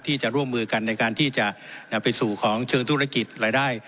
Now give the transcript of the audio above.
ที่จะร่วมมือกันในการที่จะนำไปสู่ของเชิงธุรกิจรายได้